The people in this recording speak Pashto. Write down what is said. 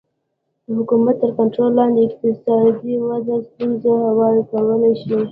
د حکومت تر کنټرول لاندې اقتصادي وده ستونزې هوارې کولی شي